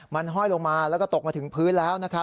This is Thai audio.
มันห้อยลงมาแล้วก็ตกมาถึงพื้นแล้ว